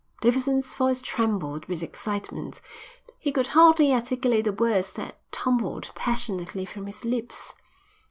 Davidson's voice trembled with excitement. He could hardly articulate the words that tumbled passionately from his lips.